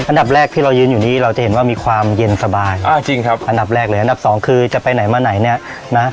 อันดับแรกที่เรายืนอยู่นี้เราจะเห็นว่ามีความเย็นสบายอ่าจริงครับอันดับแรกเลยอันดับสองคือจะไปไหนมาไหนเนี่ยนะ